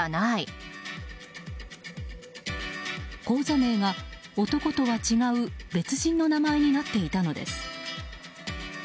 口座名が、男とは違う別人の名前になっていたのです。